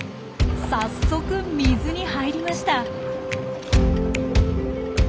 早速水に入りました。